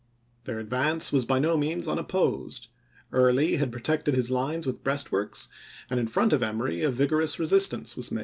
Their advance was by no means unopposed. Early had protected his lines with breastworks, and in front of Emory a vigor 1 Colonel B.